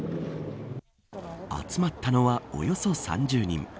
集まったのは、およそ３０人。